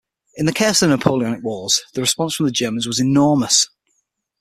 In the chaos of the Napoleonic wars, the response from Germans was enormous.